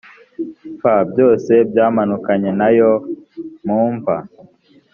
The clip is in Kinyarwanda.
f byose byamanukanye na yo mu mva